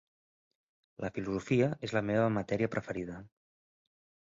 La filosofia és la meva matèria preferida.